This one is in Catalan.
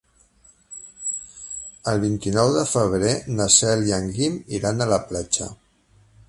El vint-i-nou de febrer na Cel i en Guim iran a la platja.